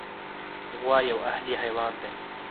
غوا یو اهلي حیوان دی.